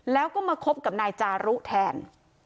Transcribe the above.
แล้วก็มาคบกับนายจารุแทน